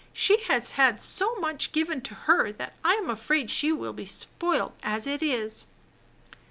"She has had so much given to her that I'm afraid she will be spoiled as it is."